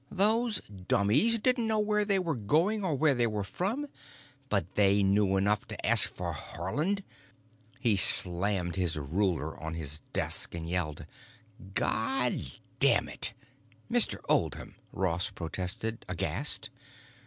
"Those dummies didn't know where they were going or where they were from, but they knew enough to ask for Haarland." He slammed a ruler on his desk and yelled: "God damn it!" "Mr. Oldham!" Ross protested, aghast.